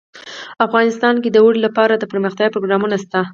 افغانستان کې د اوړي لپاره دپرمختیا پروګرامونه شته.